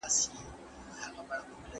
زه اوس کتابونه ليکم؟؟